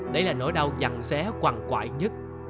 đấy là nỗi đau dằn xé quằn quại nhất